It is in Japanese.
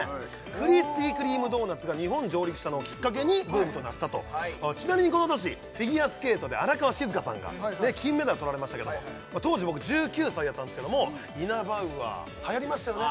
クリスピー・クリーム・ドーナツが日本上陸したのをきっかけにブームとなったとちなみにこの年フィギュアスケートで荒川静香さんが金メダル取られましたけども当時僕１９歳やったんですけどもイナバウアーはやりましたよね